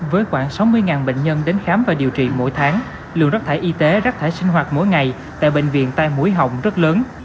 với khoảng sáu mươi bệnh nhân đến khám và điều trị mỗi tháng lượng rác thải y tế rác thải sinh hoạt mỗi ngày tại bệnh viện tai mũi họng rất lớn